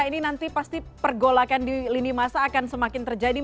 ini nanti pasti pergolakan di lini masa akan semakin terjadi